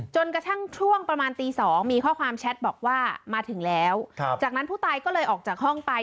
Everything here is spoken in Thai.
จนกระทั่งช่วงประมาณตีสองมีข้อความแชทบอกว่ามาถึงแล้วจากนั้นผู้ตายก็เลยออกจากห้องไป